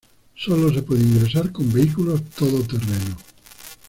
Sólo se puede ingresar con vehículos todo terreno.